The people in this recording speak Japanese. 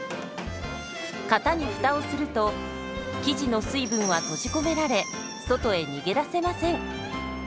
型にフタをすると生地の水分は閉じ込められ外へ逃げ出せません。